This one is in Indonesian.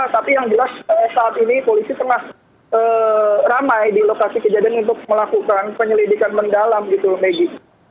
tapi yang jelas saat ini polisi tengah ramai di lokasi kejadian untuk melakukan penyelidikan mendalam gitu megi